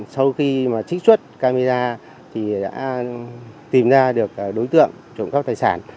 sau khi trích xuất camera thì đã tìm ra được đối tượng trộm phong lan